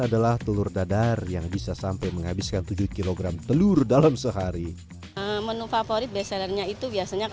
adalah telur dadar yang bisa sampai menghabiskan tujuh kg telur dalam sehari menu favorit beselernya itu biasanya